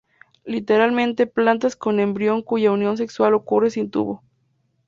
Literalmente, "plantas con embrión cuya unión sexual ocurre sin tubo".